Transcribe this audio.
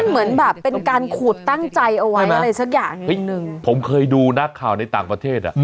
เหมือนแบบเป็นการขูดตั้งใจเอาไว้อะไรสักอย่างหนึ่งผมเคยดูนักข่าวในต่างประเทศอ่ะ